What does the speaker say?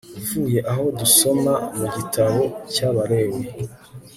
uvuye aho dusoma mu gitabo cy'abalewi